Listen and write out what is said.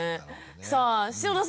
さあ篠田さん